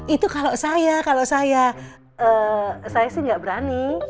itu kalau saya kalau saya saya sih nggak berani